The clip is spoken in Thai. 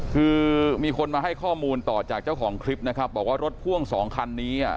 คือมีคนมาให้ข้อมูลต่อจากเจ้าของคลิปนะครับบอกว่ารถพ่วงสองคันนี้อ่ะ